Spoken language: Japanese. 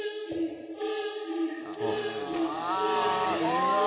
ああ。